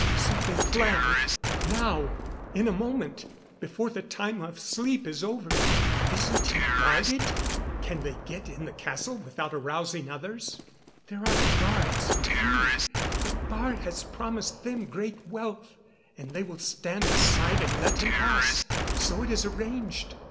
"So they plan. Now in a moment before the time of sleep is over." "Isn't he guarded? Can they get in the castle without arousing others?" "There are the guards a few. But Baar has promised them great wealth, and they will stand aside and let him pass. So it is arranged."